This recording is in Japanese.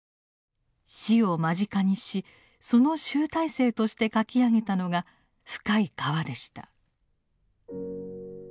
死を間近にしその集大成として書き上げたのが「深い河」でした。